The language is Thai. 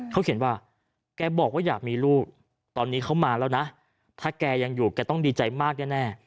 เขาเขียนว่าแกบอกว่าอยากมีลูกตอนนี้เขามาแล้วนะถ้าแกยังอยู่แกต้องดีใจมากแน่